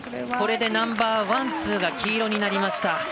これでナンバーワン、ツーが黄色になりました。